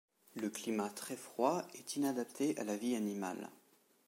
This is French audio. Le climat très froid est inadapté à la vie animale.